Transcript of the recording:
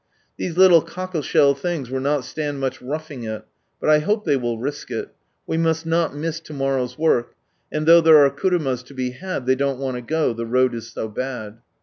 These little cockleshell things would not stand much roughing it ; but 1 hope they will risk it. We must not miss to morrow's work ; and though there are kurumas to be had, they don't want to go, the road is so bad.